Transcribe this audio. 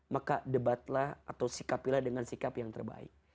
maka debatlah atau sikapilah dengan sikap yang terbaik